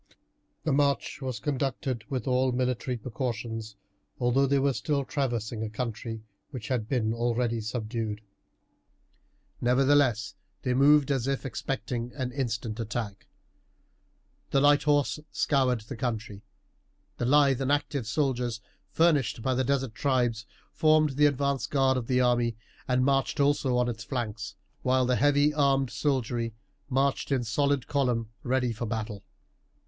The march was conducted with all military precautions, although they were still traversing a country which had been already subdued. Nevertheless they moved as if expecting an instant attack. The light horse scoured the country. The lithe and active soldiers furnished by the desert tribes formed the advanced guard of the army, and marched also on its flanks, while the heavy armed soldiery marched in solid column ready for battle.